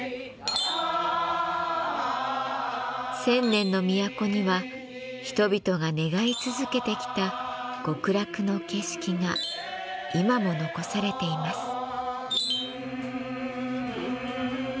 千年の都には人々が願い続けてきた極楽の景色が今も残されています。